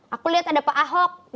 aku lihat ada pak ahok